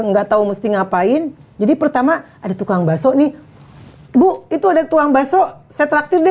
nggak tahu mesti ngapain jadi pertama ada tukang baso nih bu itu ada tuang baso saya traktir dia